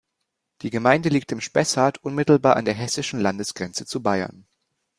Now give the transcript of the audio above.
Die Gemeinde liegt im Spessart unmittelbar an der hessischen Landesgrenze zu Bayern.